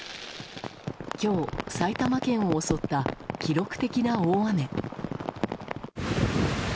今日、埼玉県を襲った記録的な大雨。